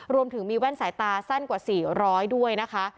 รวมถึงมีแว่นสายตาสั้นกว่า๔๐๐ด้วยนะคะ